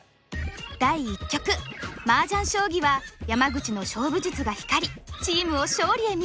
第１局マージャン将棋は山口の勝負術が光りチームを勝利へ導いた！